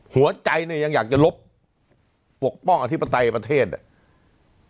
หัวใจเนี่ยยังอยากจะลบปกป้องอธิปไตยประเทศเนี่ย